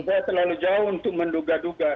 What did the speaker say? saya terlalu jauh untuk menduga duga